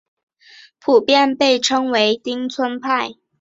普遍被称为町村派。